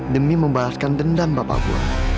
demi membalaskan dendam bapak bu